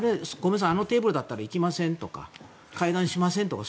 あのテーブルだったら行きませんとか会談しませんとか